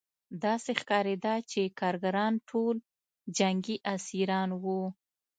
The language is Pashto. داسې ښکارېده چې کارګران ټول جنګي اسیران وو